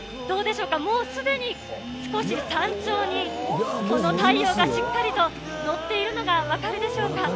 どうでしょうか、もうすでに、少し山頂に、この太陽がしっかりとのっているのが分かるでしょうか。